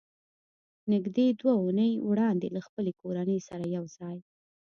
نږدې دوه اوونۍ وړاندې له خپلې کورنۍ سره یو ځای